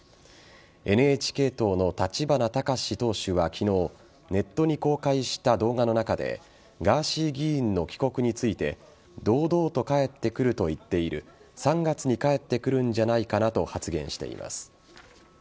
ＮＨＫ党の立花孝志党首は昨日ネットに公開した動画の中でガーシー議員の帰国について堂々と帰ってくると言っている３月に帰ってくるんじゃないかなと発言しています。